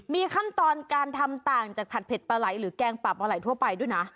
มีขั้นตอนการทำต่างจากผัดเผ็ดปลาไหลหรือแกงปับปลาไหลทั่วไปด้วยนะ